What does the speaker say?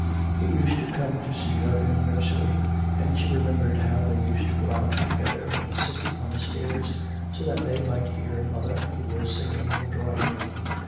He used to come to see her in the nursery, and she remembered how they used to go out together and sit on the stairs, so that they might hear mother, who was singing in the drawing room.